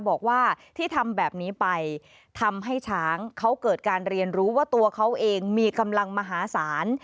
บอกว่าที่ทำแบบนี้ไปทำให้ช้างเขาเกิดการเรียนรู้ว่าตัวเขาเองมีกำลังมหาศาล